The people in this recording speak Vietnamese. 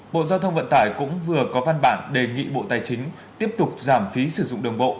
bộ giao thông vận tải cũng vừa có văn bản đề nghị bộ tài chính tiếp tục giảm phí sử dụng đường bộ